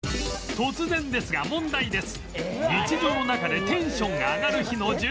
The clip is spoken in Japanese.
突然ですが問題です